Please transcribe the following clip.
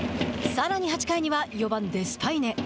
さらに８回には４番デスパイネ。